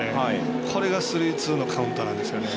これがスリーツーのカウントなんですよね。